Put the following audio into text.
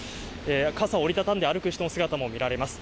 傘を折り畳んで歩く人の姿も見られます。